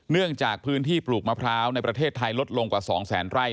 เนื่องจากพื้นที่ปลูกมะพร้าวในประเทศไทยลดลงกว่า๒แสนไร่